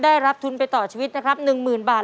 ได้รับทุนไปต่อชีวิตนะครับ๑๐๐๐บาท